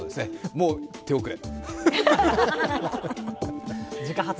もう手遅れ。